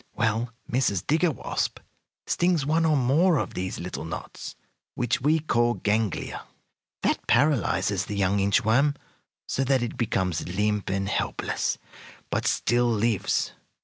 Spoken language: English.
Well, Mrs. Digger Wasp stings one or more of these little knots, which we call ganglia. That paralyzes the young inch worm, so that it becomes limp and helpless, but still lives.